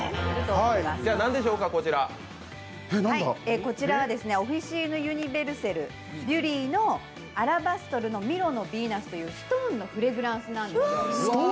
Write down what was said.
こちらはオフィシーヌ・ユニヴェルセル・ビュリーのアラバストルのミロのヴィーナスというストーンのフレグランスなんですよ。